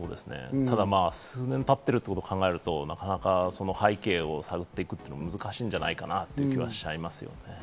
ただ数年経っていることを考えると、なかなかその背景を探っていくことは難しいんじゃないかなという気はしちゃいますね。